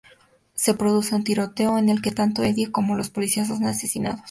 Se produce un tiroteo, en el que tanto Eddie como el policía son asesinados.